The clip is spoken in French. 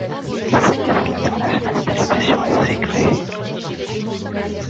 Le festival international de télévision est aussi créé.